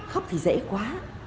khóc thì dễ quá